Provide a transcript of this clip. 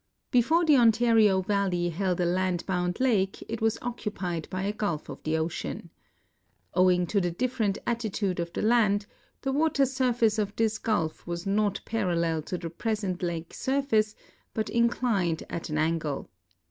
Before the Ontario valley held a land bound lake it was occupied by a gulf of the ocean. Owing to the dif ferent attitude of the land, the water surface of this gulf was not MODIFICATION OF THE (iREAT LAKES 23:> parallel to the present lake surface but inclined at an an{j;le.